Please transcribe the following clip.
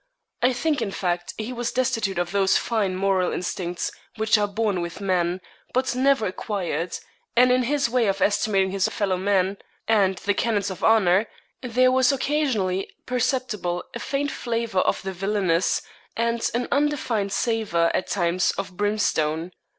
I think, in fact, he was destitute of those fine moral instincts which are born with men, but never acquired; and in his way of estimating his fellow men, and the canons of honour, there was occasionally perceptible a faint flavour of the villainous, and an undefined savour, at times, of brimstone.